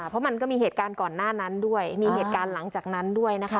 เพราะมันก็มีเหตุการณ์ก่อนหน้านั้นด้วยมีเหตุการณ์หลังจากนั้นด้วยนะคะ